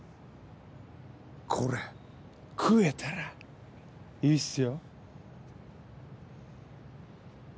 これ食えたらいいっすよ。